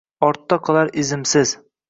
Ortda qolar izimsiz.